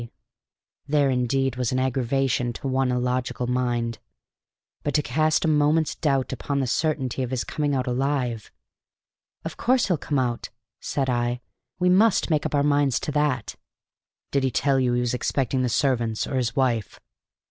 There, indeed, was an aggravation to one illogical mind. But to cast a moment's doubt upon the certainty of his coming out alive! "Of course he'll come out," said I. "We must make up our minds to that." "Did he tell you he was expecting the servants or his wife?